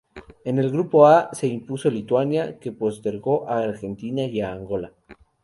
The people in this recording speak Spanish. En el grupo A se impuso Lituania, que postergó a Argentina y a Angola.